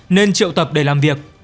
nên triệu tập để làm việc